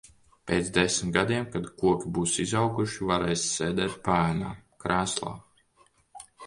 Pēc desmit gadiem kad koki būs izauguši, varēsi sēdēt paēnā, krēslā.